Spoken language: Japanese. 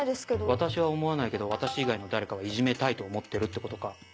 私は思わないけど私以外の誰かはいじめたいと思ってるってことか？